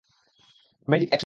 Magic, action.